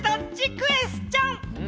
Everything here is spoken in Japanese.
クエスチョン！